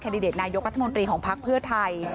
ดิเดตนายกรัฐมนตรีของพักเพื่อไทย